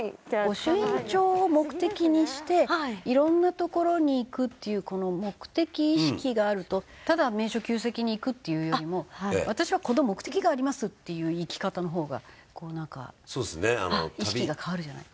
「御朱印帳を目的にして」色んな所に行くっていう目的意識があるとただ名所旧跡に行くっていうよりも「私はこの目的があります！」っていう行き方のほうがこうなんか意識が変わるじゃない。